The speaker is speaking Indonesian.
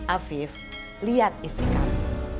afif lihat istri kamu